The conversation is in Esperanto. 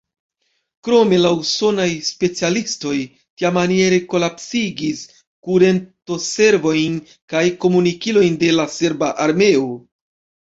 Krome la usonaj specialistoj tiamaniere kolapsigis kurentoservojn kaj komunikilojn de la serba armeo.